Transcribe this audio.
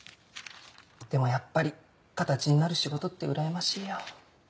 でもやっぱり形になる仕事ってうらやましいよ。